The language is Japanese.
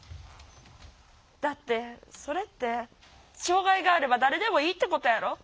だってそれって障害があれば誰でもいいってことやろ。